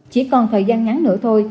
chỉ còn thời gian ngắn nữa thôi